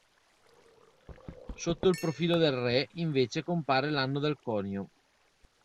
Sotto il profilo del re invece compare l'anno del conio.